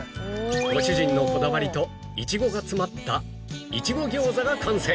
ご主人のこだわりといちごが詰まったいちご餃子が完成